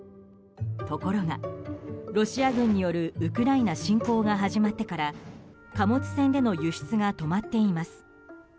ところが、ロシア軍によるウクライナ侵攻が始まってから貨物船での輸出が止まっています。